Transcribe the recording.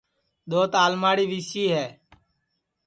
دؔوت آلماڑی وی سی ہے